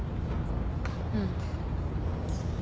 うん。